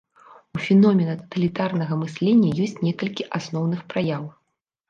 У феномена таталітарнага мыслення ёсць некалькі асноўных праяў.